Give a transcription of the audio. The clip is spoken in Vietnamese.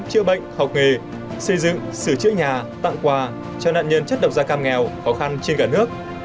chữa bệnh học nghề xây dựng sửa chữa nhà tặng quà cho nạn nhân chất độc da cam nghèo khó khăn trên cả nước